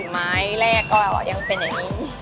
ไม้แรกก็ยังเป็นอย่างนี้